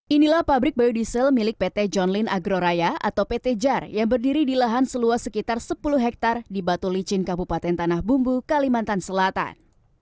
inilah pabrik biodiesel milik pt john lyn agroraya atau pt jar yang berdiri di lahan seluas sekitar sepuluh hektare di batu licin kabupaten tanah bumbu kalimantan selatan